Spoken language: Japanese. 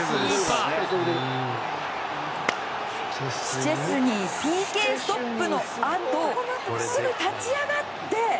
シュチェスニーＰＫストップのあとすぐ立ち上がって。